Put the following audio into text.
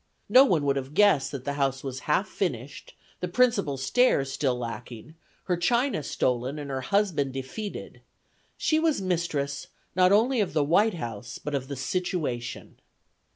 No one would have guessed that the house was half finished, the principal stairs still lacking, her china stolen and her husband defeated; she was mistress, not only of the White House, but of the situation.